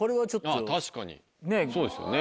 あぁ確かにそうですよね。